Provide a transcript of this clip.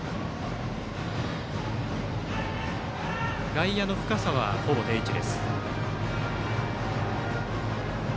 外野の深さはほぼ定位置。